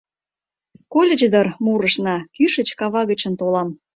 Кольыч дыр, мурышна: «Кӱшӱч кава гычын толам.